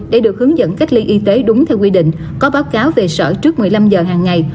để được hướng dẫn cách ly y tế đúng theo quy định có báo cáo về sở trước một mươi năm giờ hàng ngày